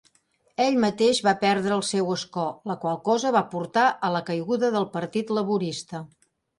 Ell mateix va perdre el seu escó, la qual cosa va portar a la caiguda del Partit Laborista.